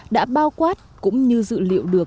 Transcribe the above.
đã bao quát cũng như dự liệu được